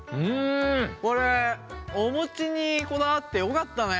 これお餅にこだわってよかったね。